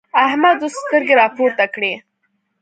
احمد اوس سترګې راپورته کړې.